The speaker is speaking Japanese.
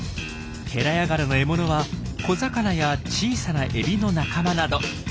ヘラヤガラの獲物は小魚や小さなエビの仲間など。